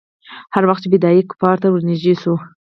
هر وخت چې فدايي کفارو ته ورنژدې سو.